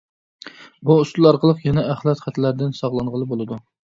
-بۇ ئۇسسۇل ئارقىلىق يەنە ئەخلەت خەتلەردىن ساقلانغىلى بولىدۇ.